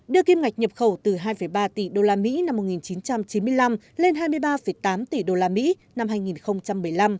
đưa kim ngạch nhập khẩu từ hai ba tỷ usd năm một nghìn chín trăm chín mươi năm lên hai mươi ba tám tỷ usd năm hai nghìn một mươi năm